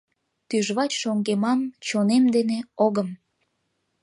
— Тӱжвач шоҥгемам, чонем дене — огым!